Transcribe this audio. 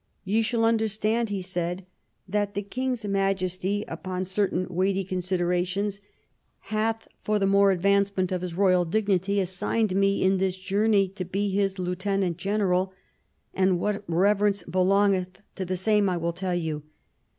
"Ye shall understand," he said, "that the king's majesty, upon certain weighty considerations, hath for the more advancement of his royal dignity assigned me in this journey to be his lieutenant general, and what reverence belongeth to the same I will tell you.